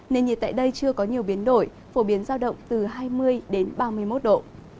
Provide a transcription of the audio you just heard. nền nhiệt tại đây chưa có nhiều biến đổi phổ biến giao động từ hai mươi đến ba mươi một độ